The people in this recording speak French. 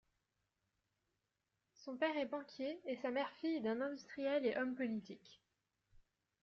Son père est banquier, et sa mère fille d'un industriel et homme politique.